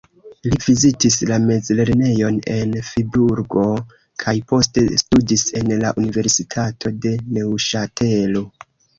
Li vizitis la mezlernejon en Friburgo kaj poste studis en la Universitato de Neŭŝatelo.